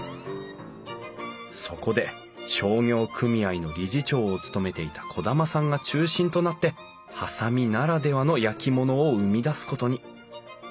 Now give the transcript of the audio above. そこで商業組合の理事長を務めていた兒玉さんが中心となって波佐見ならではの焼き物を生み出すことに。